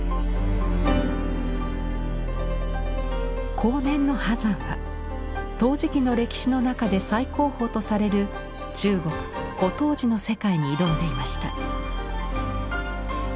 後年の波山は陶磁器の歴史の中で最高峰とされる中国古陶磁の世界に挑んでいました。